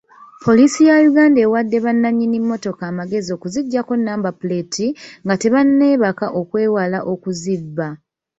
Poliisi ya Uganda ewadde bannanyini mmotoka amagezi okuziggyako namba puleeti nga tebanneebaka okwewala okuzibba.